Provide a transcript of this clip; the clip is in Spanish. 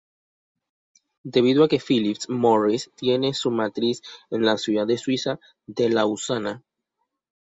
Debido a que Philip Morris tiene su matriz en la ciudad suiza de Lausana.